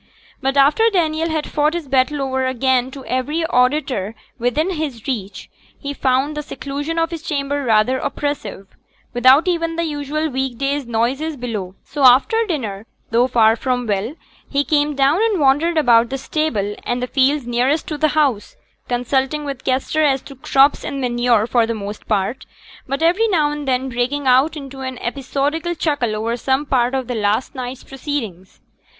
But after Daniel had fought his battle o'er again to every auditor within his reach, he found the seclusion of his chamber rather oppressive, without even the usual week days' noises below; so after dinner, though far from well, he came down and wandered about the stable and the fields nearest to the house, consulting with Kester as to crops and manure for the most part; but every now and then breaking out into an episodical chuckle over some part of last night's proceedings.